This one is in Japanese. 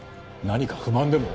何か不満でも？